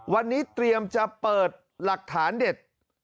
วันนี้เตรียมจะเปิดหลักฐานเด็ด